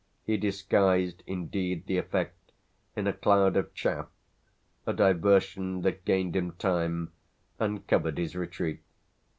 He disguised indeed the effect in a cloud of chaff, a diversion that gained him time and covered his retreat.